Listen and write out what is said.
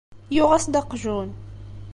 Yuɣ-as-d aqjun.